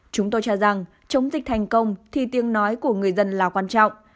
chúng tôi cho rằng chống dịch thành công thì tiếng nói của người dân là quan trọng